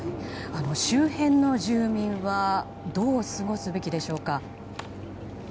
周辺の住民はどう過ごすべきでしょうか。